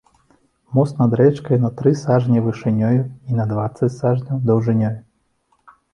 Мост над рэчкаю на тры сажні вышынёю і на дваццаць сажняў даўжынёю.